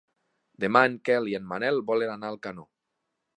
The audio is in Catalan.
Demà en Quel i en Manel volen anar a Alcanó.